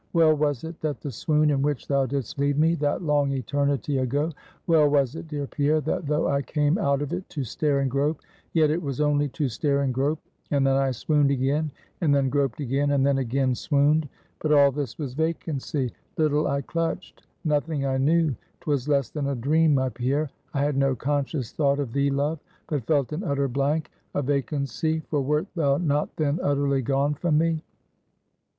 Well was it, that the swoon, in which thou didst leave me, that long eternity ago well was it, dear Pierre, that though I came out of it to stare and grope, yet it was only to stare and grope, and then I swooned again, and then groped again, and then again swooned. But all this was vacancy; little I clutched; nothing I knew; 'twas less than a dream, my Pierre, I had no conscious thought of thee, love; but felt an utter blank, a vacancy; for wert thou not then utterly gone from me?